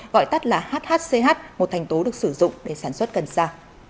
gọi tắt là hhch một thành tố được sử dụng để sản xuất cần xa